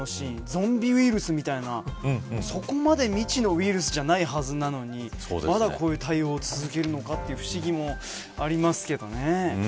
ゾンビウイルスみたいなそこまで未知のウイルスじゃないはずなのにまだ、こういう対応を続けるのかという不思議もありますけどね。